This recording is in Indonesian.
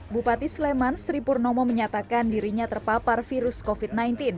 bupati sleman sri purnomo menyatakan dirinya terpapar virus covid sembilan belas